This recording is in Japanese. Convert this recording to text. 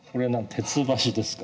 鉄箸ですか？